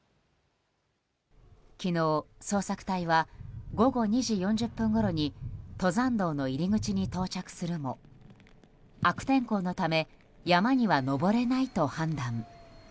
昨日、捜索隊は午後２時４０分ごろに登山道の入り口に到着するも悪天候のため山には登れないと判断。